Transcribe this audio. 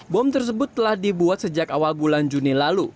bom tersebut telah dibuat sejak awal bulan juni lalu